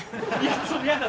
ちょっと嫌だ！